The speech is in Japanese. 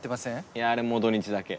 いやあれも土日だけ。